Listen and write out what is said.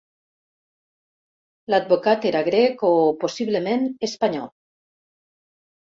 L'advocat era grec o, possiblement, espanyol.